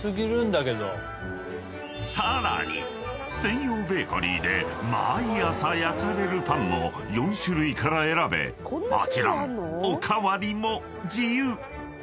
［さらに専用ベーカリーで毎朝焼かれるパンも４種類から選べもちろんお代わりも自由！］